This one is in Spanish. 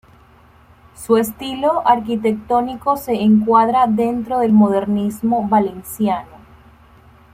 Su estilo arquitectónico se encuadra dentro del modernismo valenciano.